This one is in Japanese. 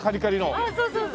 ああそうそうそう。